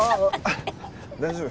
大丈夫？